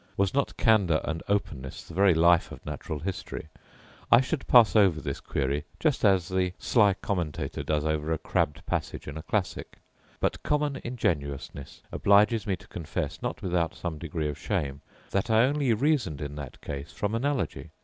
Was not candour and openness the very life of natural history, I should pass over this query just as the sly commentator does over a crabbed passage in a classic; but common ingenuousness obliges me to confess, not without some degree of shame, that I only reasoned in that case from analogy.